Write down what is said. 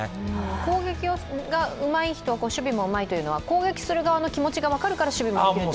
攻撃がうまい人は守備もうまいというのは、攻撃する側の気持ちが分かるから守備も？